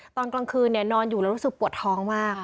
ตอนกลางคืนนอนอยู่แล้วรู้สึกปวดท้องมาก